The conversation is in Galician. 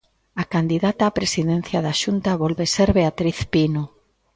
A candidata á Presidencia da Xunta volve ser Beatriz Pino.